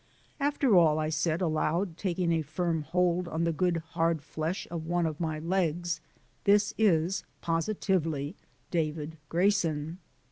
"After all," I said aloud taking a firm hold on the good hard flesh of one of my legs, "this is positively David Grayson."